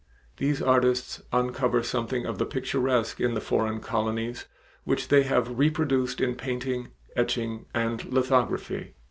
These artists uncover something of the picturesque in the foreign colonies, which they have reproduced in painting, etching, and lithography.